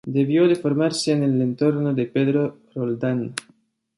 Debió de formarse en el entorno de Pedro Roldán.